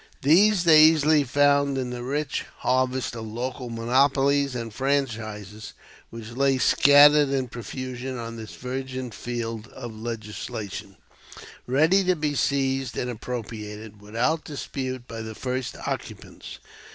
These they easily found in the rich harvest of local monopolies and franchises which lay scattered in profusion on this virgin field of legislation, ready to be seized and appropriated without dispute by the first occupants.